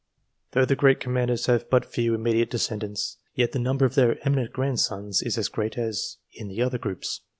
Though the great Commanders have but few immediate descendants, yet the number of their eminent grandsons is as great as any other groups.